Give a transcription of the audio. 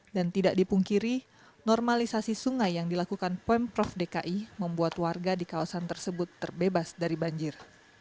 dan tidak dipungkiri normalisasi sungai yang dilakukan pemprov dki membuat warga di kawasan tersebut terbebas dari banjir